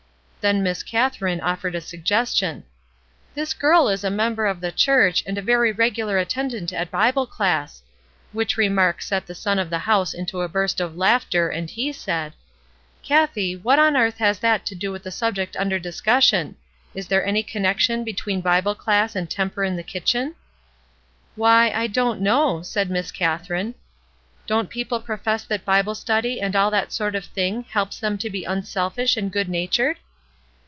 "Then Miss Katherine offered a suggestion :— '"This girl is a member of the church, and a very regular attendant at Bible class.' Which remark set the son of the house into a burst of laughter, and he said: — '"Kathie, what on earth has that to do with the subject under discussion? Is there any connection between Bible classes and temper in the kitchen?' '"Why, I don't know,' said Katherine. 'Don't people profess that Bible study and all that sort of thing helps them to be unselfish and good natured?'